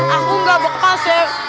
aku nggak bekas